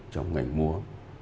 trong ngành múa